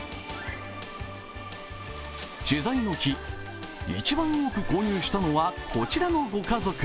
取材の日、一番多く購入したのはこちらのご家族。